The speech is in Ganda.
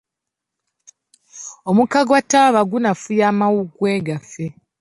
Omukka gwa taaba kunafuya amawuggwe gaffe.